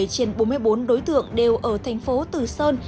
một mươi trên bốn mươi bốn đối tượng đều ở thành phố từ sơn